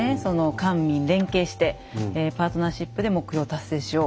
官民連携して「パートナーシップで目標を達成しよう」。